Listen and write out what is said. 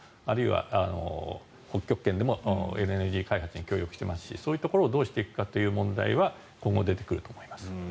あるいは北極圏でもエネルギー開発に協力していますしそういうところをどうしていくのかというのは今後、出てくると思います。